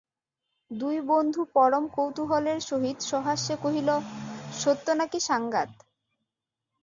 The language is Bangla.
দুই বন্ধু পরম কৌতূহলের সহিত সহাস্যে কহিল, সত্য নাকি সাঙাত।